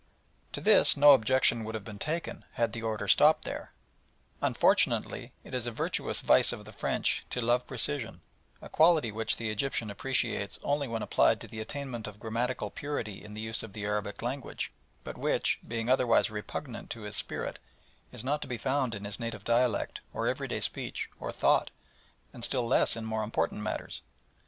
To this no objection would have been taken had the order stopped there; unfortunately it is a virtuous vice of the French to love precision a quality which the Egyptian appreciates only when applied to the attainment of grammatical purity in the use of the Arabic language, but which, being otherwise repugnant to his spirit, is not to be found in his native dialect or everyday speech or thought, and still less in more important matters.